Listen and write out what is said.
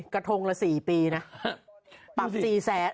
กระทงละสี่ปีนะ